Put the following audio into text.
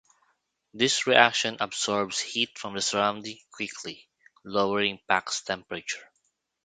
This reaction absorbs heat from the surroundings, quickly lowering the pack's temperature.